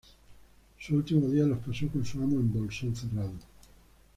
Sus últimos días los pasó con su amo en Bolsón Cerrado.